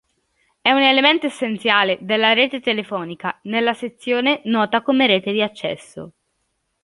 È un elemento essenziale della rete telefonica nella sezione nota come rete di accesso.